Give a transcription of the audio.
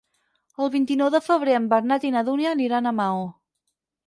El vint-i-nou de febrer en Bernat i na Dúnia aniran a Maó.